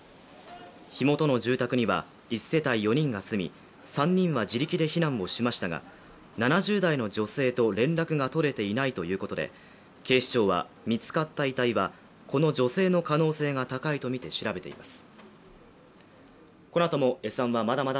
火元の住宅には１世帯４人が住み３人は自力で避難をしましたが７０代の女性と連絡が取れていないということで、警視庁は見つかった遺体はこの女性の可能性が高いとみて調べています